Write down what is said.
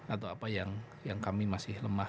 atau apa yang kami masih lemah